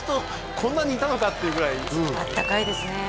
こんなにいたのかっていうぐらいあったかいですね